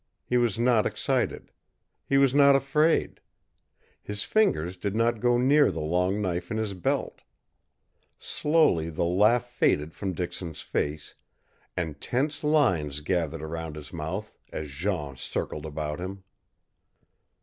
He was not excited. He was not afraid. His fingers did not go near the long knife in his belt. Slowly the laugh faded from Dixon's face, and tense lines gathered around his mouth as Jean circled about him.